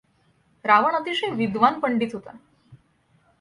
रावण अतिशय विद्वान पंडित होता.